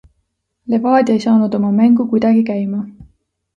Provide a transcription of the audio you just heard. Levadia ei saanud oma mängu kuidagi käima.